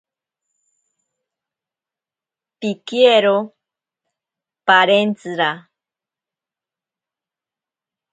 Pikiero parentsira.